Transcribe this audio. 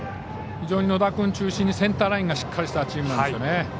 非常に、野田君を中心にセンターラインがしっかりしたチームなんですね。